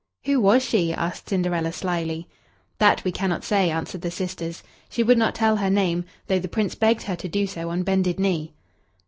"Who was she?" asked Cinderella slyly. "That we cannot say," answered the sisters. "She would not tell her name, though the Prince begged her to do so on bended knee."